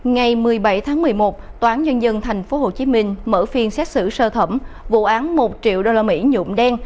ngày một mươi bảy tháng một mươi một toán dân dân tp hcm mở phiên xét xử sơ thẩm vụ án một triệu đô la mỹ nhụm đen